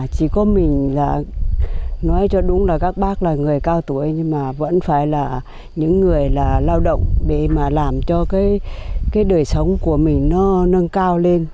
chỉ có mình là nói cho đúng là các bác là người cao tuổi nhưng mà vẫn phải là những người là lao động để mà làm cho cái đời sống của mình nó nâng cao lên